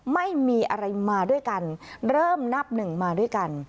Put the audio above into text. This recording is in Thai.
ไม่มีอะไรมาด้วยกันเริ่มนับหนึ่งมาด้วยกัน